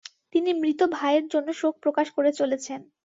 তিনি মৃত ভাইয়ের জন্য শোক প্রকাশ করে চলেছেন।